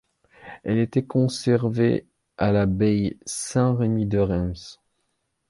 Elle était conservée à l'abbaye Saint-Remi de Reims.